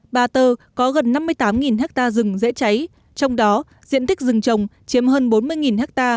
ba tơ có gần năm mươi tám ha rừng dễ cháy trong đó diện tích rừng trồng chiếm hơn bốn mươi ha